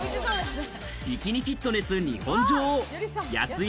ビキニフィットネス日本女王・安井